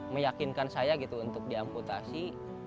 meyakinkan saya gitu untuk diamputasi